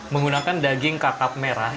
menggunakan daging kakap merah